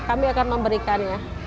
kami akan memberikannya